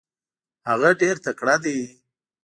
هغه ډیر تکړه دی.